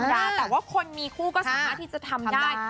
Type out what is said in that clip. แต่ว่าคนมีคู่ก็สามารถที่จะทำได้